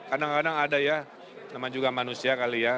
kadang kadang ada ya nama juga manusia kali ya